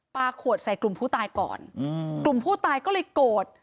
ขวดใส่กลุ่มผู้ตายก่อนอืมกลุ่มผู้ตายก็เลยโกรธ